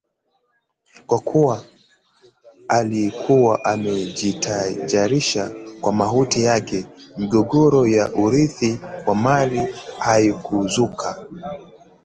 Kwa kuwa alikuwa amejitayarisha kwa mauti yake migogoro ya urithi wa mali haikuzuka